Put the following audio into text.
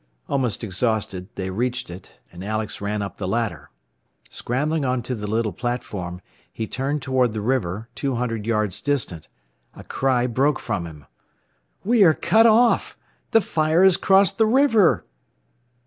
Almost exhausted, they reached it, and Alex ran up the ladder. Scrambling onto the little platform, he turned toward the river, two hundred yards distant. A cry broke from him. "We are cut off! The fire has crossed the river!"